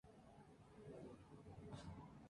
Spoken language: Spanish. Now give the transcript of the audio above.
Pasa a Jaguares de Chiapas.